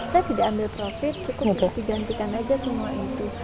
saya tidak ambil profit cukup digantikan aja semua itu